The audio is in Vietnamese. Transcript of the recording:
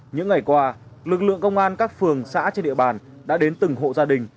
những ngày qua lực lượng công an các phường xã trên địa bàn đã đến từng hộ gia đình